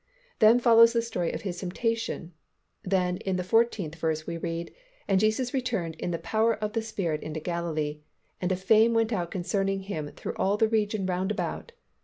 Then follows the story of His temptation; then in the fourteenth verse we read, "And Jesus returned in the power of the Spirit into Galilee: and a fame went out concerning Him through all the region round about."